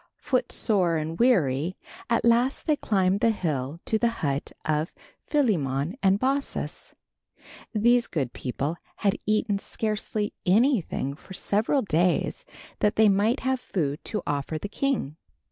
Footsore and weary, at last they climbed the hill to the hut of Philemon and Baucis. These good people had eaten scarcely anything for several days that they might have food to offer the king.